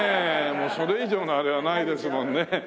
それ以上のあれはないですもんね。